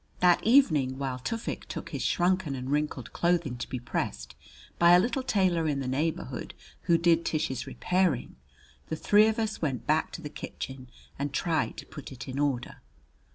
That evening, while Tufik took his shrunken and wrinkled clothing to be pressed by a little tailor in the neighborhood who did Tish's repairing, the three of us went back to the kitchen and tried to put it in order.